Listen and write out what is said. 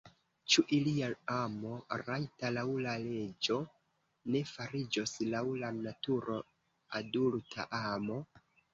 Ĉu ilia amo, rajta laŭ la leĝo, ne fariĝos laŭ la naturo adulta amo?